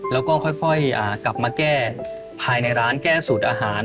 แล้วก็ค่อยกลับมาแก้ภายในร้านแก้สูตรอาหาร